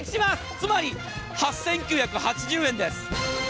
つまり８９８０円です！